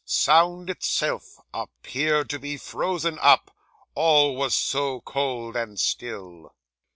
Sound itself appeared to be frozen up, all was so cold and still.